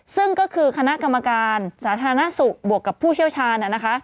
ซึ่งก็คือคณะกรรมการสาธารณสุขบวกกับผู้เชี่ยวชาญ